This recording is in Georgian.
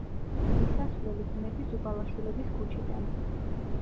მისასვლელი ძმები ზუბალაშვილების ქუჩიდან.